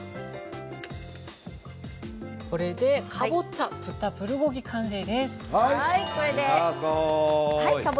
これでかぼちゃ豚プルコギ完成です。